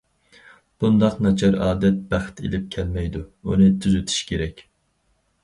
بۇنداق ناچار ئادەت بەخت ئېلىپ كەلمەيدۇ، ئۇنى تۈزىتىش كېرەك.